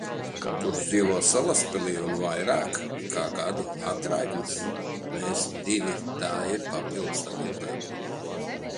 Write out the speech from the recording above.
Kurš dzīvo Salaspilī un vairāk kā gadu atraitnis. Mēs—divi, tā ir papildu stabilitāte.